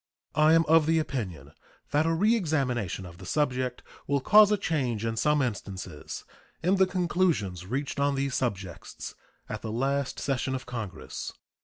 I am of the opinion that a reexamination of the subject will cause a change in some instances in the conclusions reached on these subjects at the last session of Congress.